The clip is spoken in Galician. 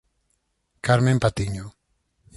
Carmen Patiño.